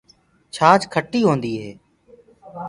ڇآچ کٽيٚ هوندي هي۔